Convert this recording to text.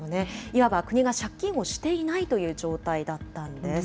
いわば、国が借金をしていないという状態だったんです。